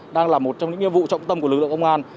đang là một trong những nhiệm vụ trọng tâm của lực lượng công an